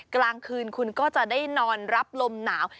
กลางคืนคุณก็จะได้นอนรับลมหนาว